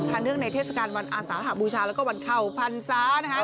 การเรื่องในเทศกาลวันอาสาหบูชาและวันเข่าภรรษา